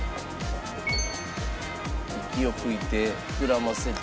息を吹いて膨らませて。